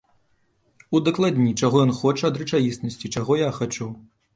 Удакладніць, чаго ён хоча ад рэчаіснасці, чаго я хачу.